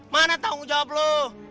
mana tanggung jawab lo